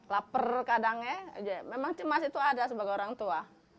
lapar kadang ya memang cemas itu ada sebagai orang tua